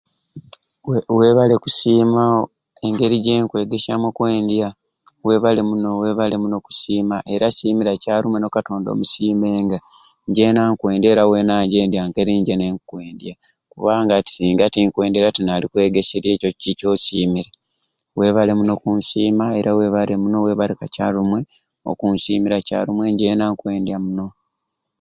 We webale kusiima engeri gyenkwegesyamu okwendya webale muno webale muno kusiima era siimira kyalumwe n'okatonda omusiimenge njeena nkwendya era weena nyendya ngeri nje nenkwendya kubanga ati singa tinkwendya tinkwegeserye ekyo ki kyosiimire wabale muno okunsiima are webale muno webale kakyalumwe okunsiima kyarumwe era njeena nkwendya muno.